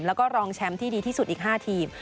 แล้วก็รองแชมป์ที่ดีที่สุดอีก๕ทีม